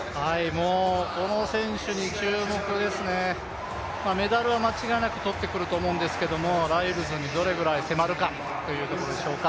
もうこの選手に注目ですね、メダルはもう間違いなくとってくると思うんですけれども、ライルズにどれぐらい迫るかというところでしょうか。